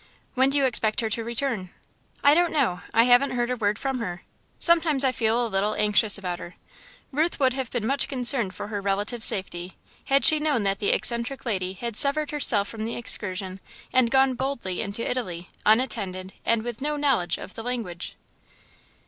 "When do you expect her to return?" "I don't know I haven't heard a word from her. Sometimes I feel a little anxious about her." Ruth would have been much concerned for her relative's safety, had she known that the eccentric lady had severed herself from the excursion and gone boldly into Italy, unattended, and with no knowledge of the language.